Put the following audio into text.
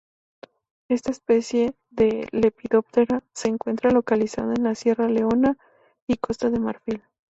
Esta especie de Lepidoptera se encuentra localizada en Sierra Leona y Costa de Marfil.